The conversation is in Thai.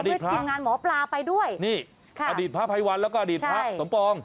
พร้อมด้วยทีมงานหมอปลาไปด้วยค่ะอดีตพระไพวัลแล้วก็อดีตพระสมปอง